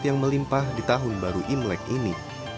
yang melimpah di tahun baru imlek ini